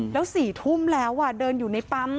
แล้ว๔ทุ่มแล้วเดินอยู่ในปั๊ม